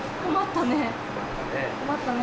困ったね。